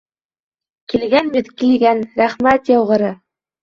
Килгән бит, килгән, рәхмәт яуғыры!